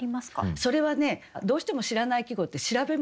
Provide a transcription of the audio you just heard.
それはねどうしても知らない季語って調べますよね。